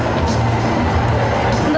untuk performanya apa agak